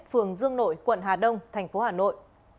phường dương nội quận hà đông thành phố hà nội